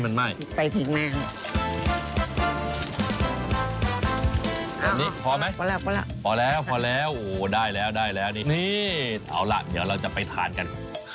เนี่ยเอ้าละเดี๋ยวเราจะไปกินกัน